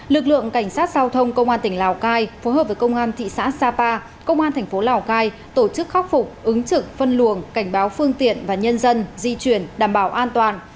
lực lượng cảnh sát giao thông công an tỉnh lào cai phối hợp với công an thị xã sapa công an thành phố lào cai tổ chức khắc phục ứng trực phân luồng cảnh báo phương tiện và nhân dân di chuyển đảm bảo an toàn